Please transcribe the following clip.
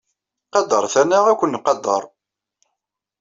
Qadret-aneɣ ad akun-qadrin.